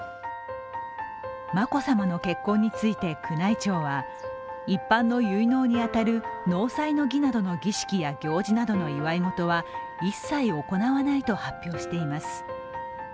眞子さまの結婚について宮内庁は一般の結納に当たる納采の儀などの儀式や行事などの祝い事は一切行わないと発表しています。